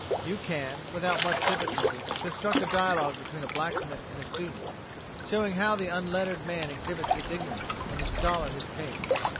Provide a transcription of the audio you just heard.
You can, without much difficulty, construct a dialogue between a blacksmith and a student, showing how the unlettered man exhibits his ignorance and the scholar his taste.